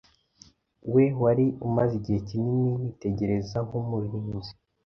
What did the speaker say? We wari umaze igihe kinini yitegereza nkumurinzi